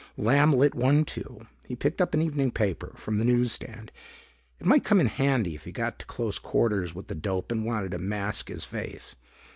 Lamb lit one too. He picked up an evening paper from the newsstand it might come in handy if he got to close quarters with the dope and wanted to mask his face.